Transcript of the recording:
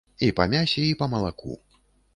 І па мясе, і па малаку.